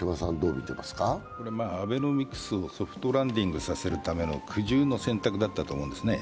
アベノミクスをソフトランディングさせるための苦渋の選択だったと思うんですね。